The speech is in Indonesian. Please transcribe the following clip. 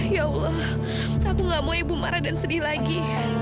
ya allah aku gak mau ibu marah dan sedih lagi